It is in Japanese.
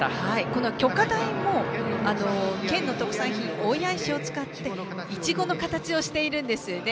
この炬火台も県の特産品大谷石を使っていちごの形をしているんですよね。